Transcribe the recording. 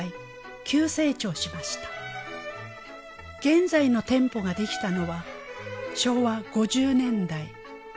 現在の店舗ができたのは昭和５０年代。